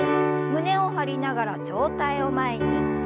胸を張りながら上体を前に。